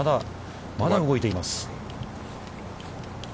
まだ動いています。